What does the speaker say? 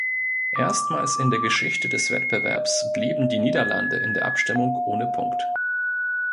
Erstmals in der Geschichte des Wettbewerbs blieben die Niederlande in der Abstimmung ohne Punkt.